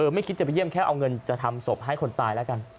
ไม่คิดจะไปเยี่ยมแค่เอาเงินจะทำศพให้คนตายแล้วกัน